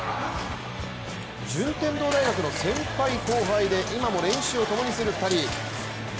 順天堂大学の先輩後輩で今も練習を共にする２人。